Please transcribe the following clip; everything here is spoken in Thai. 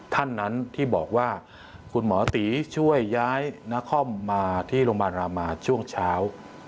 ท่านนั้นที่บอกว่าคุณหมอตีช่วยย้ายนครมาที่โรงพยาบาลรามาช่วงเช้า